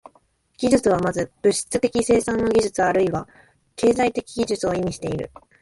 技術は先ず物質的生産の技術あるいは経済的技術を意味している。